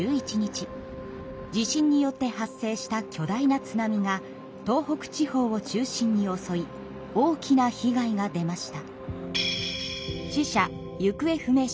地震によって発生した巨大な津波が東北地方を中心におそい大きな被害が出ました。